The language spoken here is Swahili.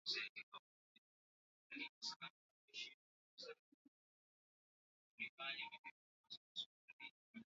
Jamani asije tena.